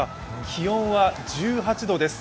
気温は１８度です。